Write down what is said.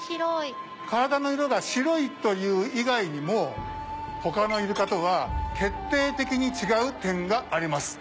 体の色が白いという以外にも他のイルカとは決定的に違う点があります。